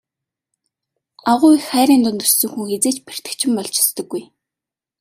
Агуу их хайрын дунд өссөн хүн хэзээ ч бэртэгчин болж өсдөггүй.